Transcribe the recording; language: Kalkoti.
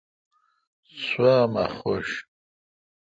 سو امہ حوشہ میش۔